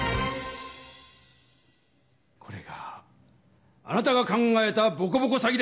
これがあなたが考えたボコボコ詐欺です！